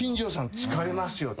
疲れますよと。